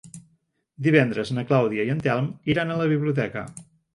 Divendres na Clàudia i en Telm iran a la biblioteca.